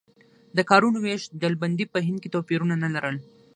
د کارونو وېش ډلبندي په هند کې توپیرونه نه لرل.